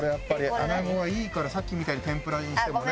穴子はいいからさっきみたいに天ぷらにしてもね。